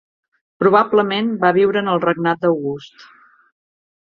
Probablement va viure en el regnat d'August.